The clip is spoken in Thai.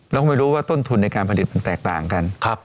เราก็ไม่รู้ว่าต้นทุนในการผลิตมันแตกต่างกัน